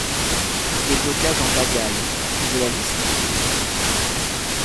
Des blocages en pagaille, tu veux la liste?